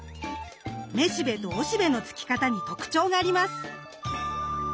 めしべとおしべのつき方に特徴があります。